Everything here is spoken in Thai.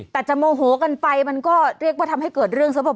แต่จะโมโหกันไปมันก็เรียกว่าทำให้เกิดเรื่องซะเปล่า